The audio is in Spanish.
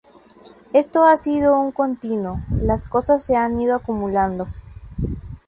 Esto ha sido un continuo, las cosas se han ido acumulando".